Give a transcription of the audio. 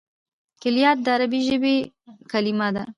کلیات د عربي ژبي کليمه ده.